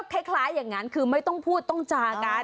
คล้ายอย่างนั้นคือไม่ต้องพูดต้องจากัน